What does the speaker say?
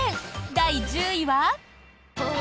第１０位は。